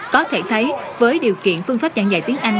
có thể thấy với điều kiện phương pháp giảng dạy tiếng anh